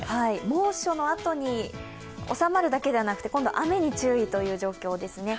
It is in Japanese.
猛暑のあとに収まるだけではなくて今度は雨に注意という状況ですね。